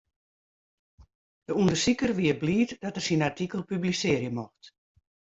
De ûndersiker wie bliid dat er syn artikel publisearje mocht.